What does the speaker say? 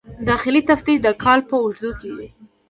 داخلي تفتیش د کال په اوږدو کې وي.